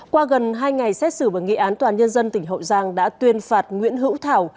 qua gần hai ngày xét xử bởi nghị án toàn nhân dân tỉnh hậu giang đã tuyên phạt nguyễn hữu thảo